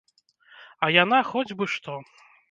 А яна хоць бы што!